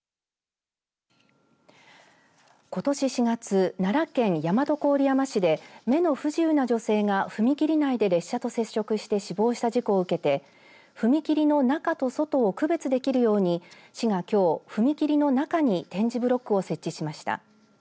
ことし４月、奈良県大和郡山市で目の不自由な女性が踏切内で列車と接触して死亡した事故を受けて踏切の中と外を区別できるように市がきょう、踏切の中に点字ブロックを設置しました。